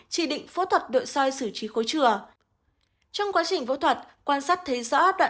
chỉ định phẫu thuật nội soi xử trí khối trừa trong quá trình phẫu thuật quan sát thấy rõ